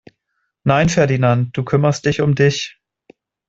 Nein Ferdinand, du kümmerst dich um dich!